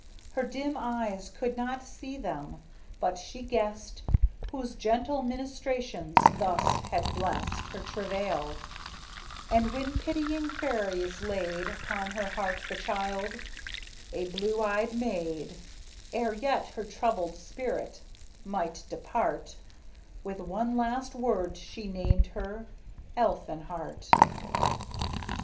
Her dim eyes could not see them, but she guessed Whose gentle ministrations thus had blessed Her travail; and when pitying fairies laid Upon her heart the child, a blue eyed maid, Ere yet her troubled spirit might depart, With one last word she named her "Elfinhart."